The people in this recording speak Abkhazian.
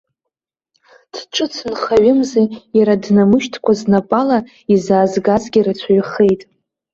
Дҿыц нхаҩымзи, иара днамышьҭкәа знапала изаазгазгьы рацәаҩхеит.